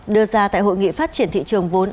đưa ra tại hội nghị phát triển thị trường vốn